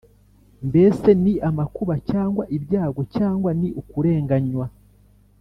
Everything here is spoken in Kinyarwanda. Mbese ni amakuba, cyangwa ibyago, cyangwa ni ukurenganywa